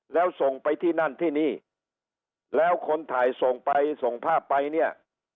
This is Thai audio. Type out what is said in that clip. แล้วส่งไปที่นั่นที่นี่แล้วคนถ่ายส่งไปส่งภาพไปเนี่ย